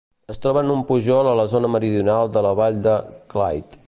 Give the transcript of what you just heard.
Es troba en un pujol a la zona meridional de la vall de Clwyd.